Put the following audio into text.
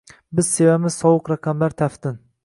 Biz sevamiz sovuq raqamlar taftin